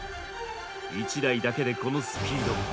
１台だけでこのスピード。